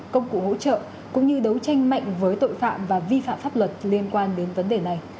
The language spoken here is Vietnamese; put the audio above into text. công cụ hỗ trợ cũng như đấu tranh mạnh với tội phạm và vi phạm pháp luật liên quan đến vấn đề này